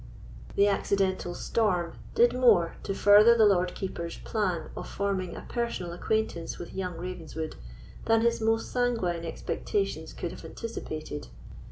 The accidental storm did more to further the Lord Keeper's plan of forming a personal acquaintance with young Ravenswood than his most sanguine expectations could have anticipated.